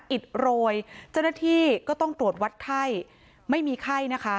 อิดโรยเจ้าหน้าที่ก็ต้องตรวจวัดไข้ไม่มีไข้นะคะ